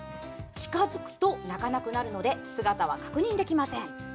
近づくと鳴かなくなるので姿は確認できません。